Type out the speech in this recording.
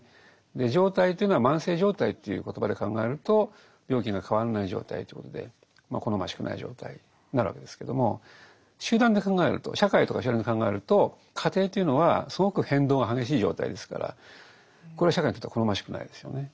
状態というのは慢性状態という言葉で考えると病気が変わらない状態ということで好ましくない状態になるわけですけども集団で考えると社会とか集団で考えると過程というのはすごく変動が激しい状態ですからこれは社会にとっては好ましくないですよね。